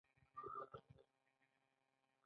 دوی ته هیڅ ډول مجازات نه ټاکل کیدل.